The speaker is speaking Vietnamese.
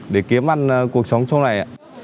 để kiếm ăn cuộc sống trong này